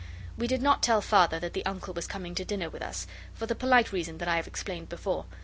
We did not tell Father that the Uncle was coming to dinner with us, for the polite reason that I have explained before.